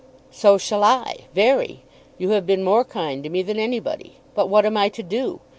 "So shall I, very. You have been more kind to me than anybody. But what am I to do?